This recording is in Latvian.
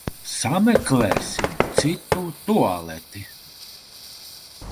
Sameklēsim citu tualeti.